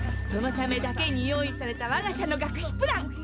そのためだけに用意されたわが社の学費プラン